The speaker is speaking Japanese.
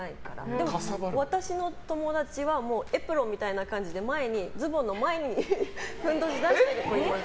でも私の友達はエプロンみたいな感じでズボンの前にふんどし出してる子います。